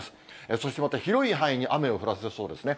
そしてまた、広い範囲に雨を降らせそうですね。